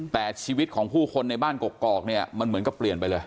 แต่ชีวิตของผู้คนในบ้านกอกเนี่ยมันเหมือนกับเปลี่ยนไปเลย